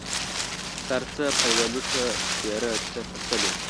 سر څه په يوه لوټۀ سپيره ، څه په سلو.